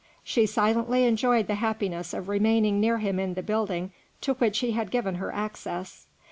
She silently enjoyed the happiness of remaining near him in the building to which he had given her access.